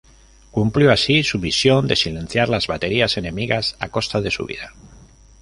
Cumplió así su misión de silenciar las baterías enemigas, a costa de su vida.